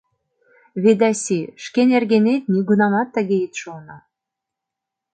— Ведаси, шке нергенет нигунамат тыге ит шоно.